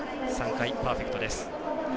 ３回、パーフェクトです。